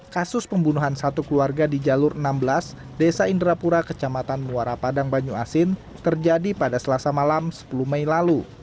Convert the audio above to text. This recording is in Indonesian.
kasus pembunuhan satu keluarga di jalur enam belas desa indrapura kecamatan muara padang banyu asin terjadi pada selasa malam sepuluh mei lalu